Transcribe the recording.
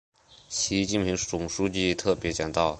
习近平总书记特别讲到